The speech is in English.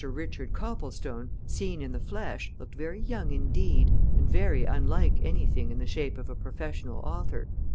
Richard Copplestone, seen in the flesh, looked very young indeed, and very unlike anything in the shape of a professional author.